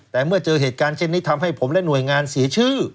แต่เมื่อเจอเหตุการณ์เช่นนี้ทำให้ผมและหน่วยงานเสียชื่อ